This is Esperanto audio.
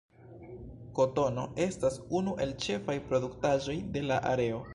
Kotono estas unu el ĉefaj produktaĵoj de la areo.